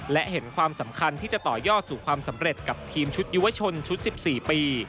และเห็นความสำคัญที่จะต่อยอดสู่ความสำเร็จกับทีมชุดยุวชนชุด๑๔ปี